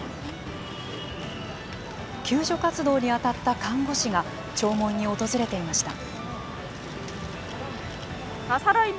救助活動に当たった看護師が弔問に訪れていました。